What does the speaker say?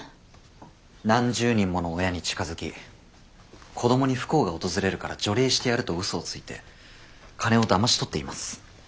何十人もの親に近づき子供に不幸が訪れるから除霊してやるとうそをついて金をだまし取っています。